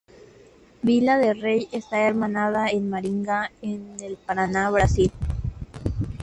Vila de Rei está hermanada con Maringá, en el Paraná, Brasil.